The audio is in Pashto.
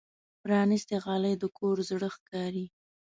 پرانستې غالۍ د کور زړه ښکاري.